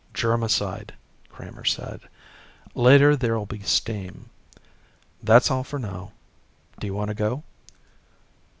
"Germicide," Kramer said. "Later there'll be steam. That's all for now. Do you want to go?"